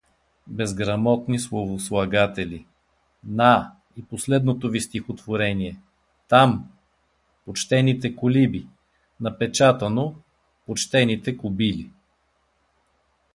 Безграмотни словослагатели… На, и последното ви стихотворение… Там… „Почтените колиби“ напечатано: „Почтените кобили“!